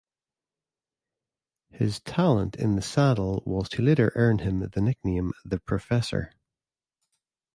His talent in the saddle was to later earn him the nickname "The Professor".